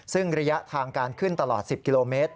ซึ่งระยะทางการขึ้นตลอด๑๐กิโลเมตร